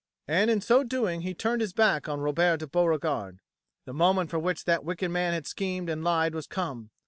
And in so doing he turned his back on Robert de Beauregard. The moment for which that wicked man had schemed and lied was come.